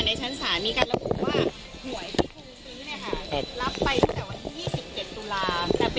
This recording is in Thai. ในชั้นศาษน์มีการระบุว่า